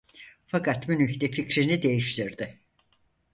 Fakat Münih'te fikrini değiştirdi.